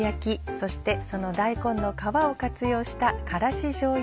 そしてその大根の皮を活用した辛子じょうゆ